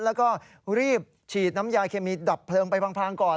แล้วก็รีบฉีดน้ำยาเคมีดับเพลิงไปพังก่อน